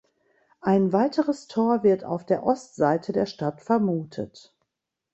Ein weiteres Tor wird auf der Ostseite der Stadt vermutet.